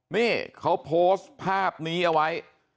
นี่เขาโพสต์ภาพนี้เอาไว้